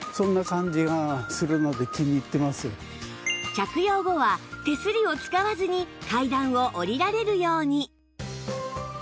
着用後は手すりを使わずに階段を下りられるように